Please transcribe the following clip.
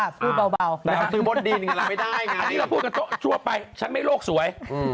พูดเบาซื้อบนดินไม่ได้ไงอันนี้เราพูดกันตัวไปฉันไม่โลกสวย